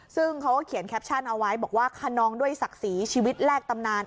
ซึ่งเขาก็เขียนแคปชั่นเอาไว้บอกว่าคนนองด้วยศักดิ์ศรีชีวิตแลกตำนาน